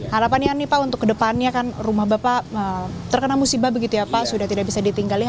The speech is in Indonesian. harapan yang ini pak untuk ke depannya kan rumah bapak terkena musibah begitu ya pak sudah tidak bisa ditinggalin